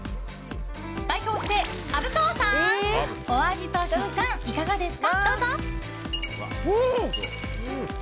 代表して、虻川さん！お味と食感いかがですか？